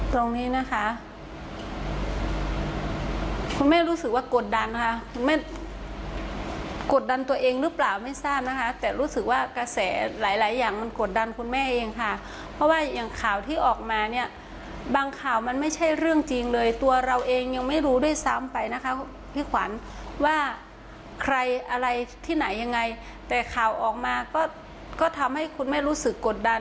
ตรงนี้นะคะคุณแม่รู้สึกว่ากดดันค่ะคุณแม่กดดันตัวเองหรือเปล่าไม่ทราบนะคะแต่รู้สึกว่ากระแสหลายหลายอย่างมันกดดันคุณแม่เองค่ะเพราะว่าอย่างข่าวที่ออกมาเนี่ยบางข่าวมันไม่ใช่เรื่องจริงเลยตัวเราเองยังไม่รู้ด้วยซ้ำไปนะคะพี่ขวัญว่าใครอะไรที่ไหนยังไงแต่ข่าวออกมาก็ทำให้คุณแม่รู้สึกกดดัน